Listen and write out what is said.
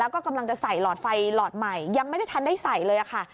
แล้วก็กำลังจะใส่หลอดไฟหลอดใหม่ยังไม่ได้ทันได้ใส่เลยค่ะ